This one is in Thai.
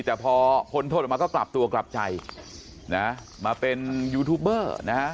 แต่พอพ้นโทษออกมาก็กลับตัวกลับใจนะมาเป็นยูทูบเบอร์นะฮะ